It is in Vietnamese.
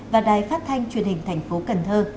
và đài phát thanh truyền hình thành phố cần thơ